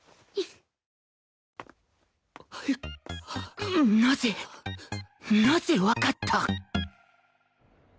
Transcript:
なぜなぜわかった？